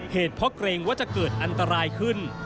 เหตุเพราะเกรงว่าจะเกิดอันตรายขึ้น